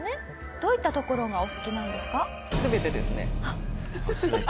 どういったところがお好きなんですか？